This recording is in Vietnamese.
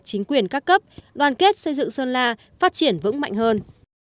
chính quyền các cấp đoàn kết xây dựng sơn la phát triển vững mạnh hơn